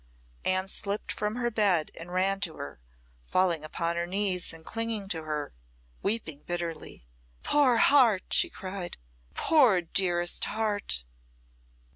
Anne slipped from her bed and ran to her, falling upon her knees and clinging to her, weeping bitterly. "Poor heart!" she cried. "Poor, dearest heart!"